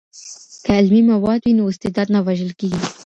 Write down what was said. که علمي مواد وي نو استعداد نه وژل کیږي.